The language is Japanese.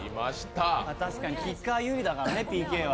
確かにキッカー有利ですからね、ＰＫは。